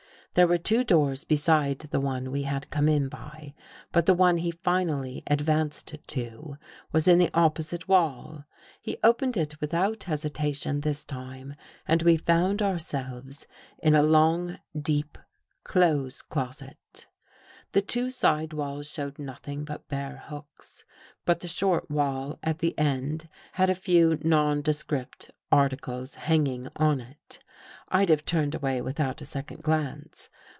There were two doors beside the one we had come in by, but the one he finally advanced to was in the oppo site wall. He opened it without hesitation this time, and we found ourselves in a long deep clothes closet. The two side walls showed nothing but bare hooks, but the short wall at the end had a few nondescript articles hanging on it. I'd have turned away without a second glance.